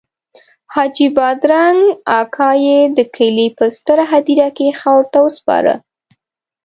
حاجي بادرنګ اکا یې د کلي په ستره هدیره کې خاورو ته وسپاره.